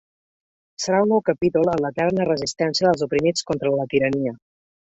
Serà un nou capítol en l’eterna resistència dels oprimits contra la tirania.